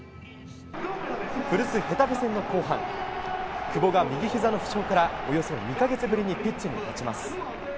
古巣、ヘタフェ戦の後半久保が右ひざの負傷からおよそ２か月ぶりにピッチに立ちます。